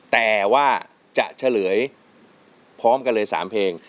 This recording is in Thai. แต่ว่าจะเฉลยพร้อมกันเลย๓เพลง